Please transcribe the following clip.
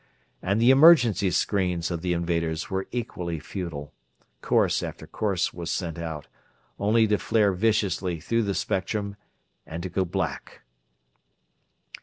And the emergency screens of the invaders were equally futile. Course after course was sent out, only to flare viciously through the spectrum and to go black!